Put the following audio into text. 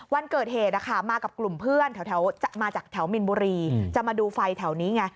วันเกิดเหตุมากับกลุ่มเพื่อนแถวมาจากแถวมินบุรีจะมาดูไฟแถวนี้ไง